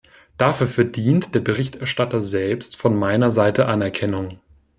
Dafür verdient der Berichterstatter selbst von meiner Seite Anerkennung.